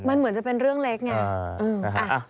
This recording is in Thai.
มันเหมือนจะเป็นเรื่องเล็กไง